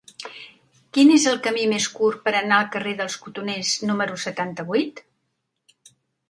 Quin és el camí més curt per anar al carrer dels Cotoners número setanta-vuit?